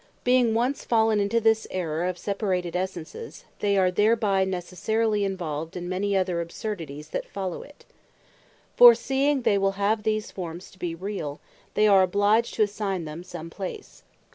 Being once fallen into this Error of Separated Essences, they are thereby necessarily involved in many other absurdities that follow it. For seeing they will have these Forms to be reall, they are obliged to assign them some place.